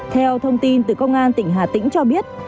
theo thông tin từ công an tỉnh hà tĩnh cho biết